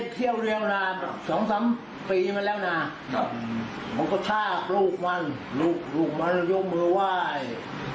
ทากลูกมันลูกมันยกมือไหว่